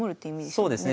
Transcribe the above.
そうですね。